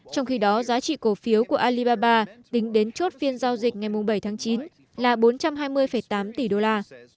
trong khi đó giá trị cổ phiếu của alibaba tính đến chốt phiên giao dịch ngày bảy tháng chín là bốn trăm hai mươi tám tỷ đô la